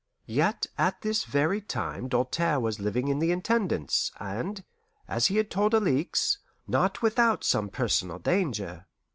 Yet at this very time Doltaire was living in the Intendance, and, as he had told Alixe, not without some personal danger.